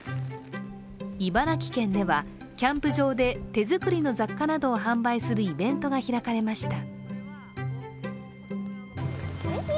茨城県では、キャンプ場で手作りの雑貨などを販売するイベントが開かれました。